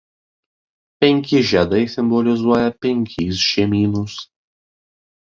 Penki žiedai simbolizuoja penkis žemynus.